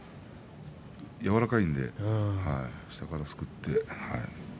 柔らかいので下からすくって。